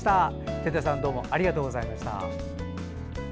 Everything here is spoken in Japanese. テテさんどうもありがとうございました。